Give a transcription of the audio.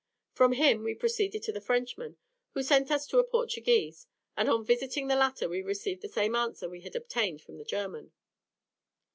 From him we proceeded to the Frenchman, who sent us to a Portuguese, and on visiting the latter we received the same answer we had obtained from the German.